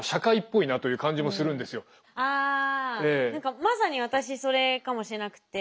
あ何かまさに私それかもしれなくて。